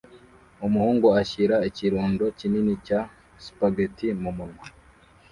Umuhungu ashyira ikirundo kinini cya spaghetti mu munwa